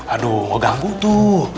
aduh mau ganggu tuh